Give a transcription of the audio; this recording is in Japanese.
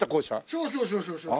そうそうそうそうそう。